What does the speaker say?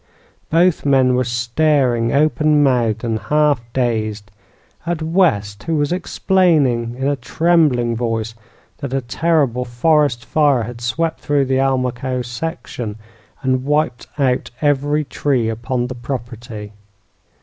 Both men were staring, open mouthed and half dazed, at West, who was explaining in a trembling voice that a terrible forest fire had swept through the Almaquo section and wiped out every tree upon the property.